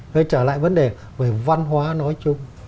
quay trở lại vấn đề về văn hóa nói chung